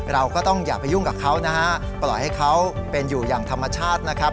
เราก็ต้องอย่าไปยุ่งกับเขานะฮะปล่อยให้เขาเป็นอยู่อย่างธรรมชาตินะครับ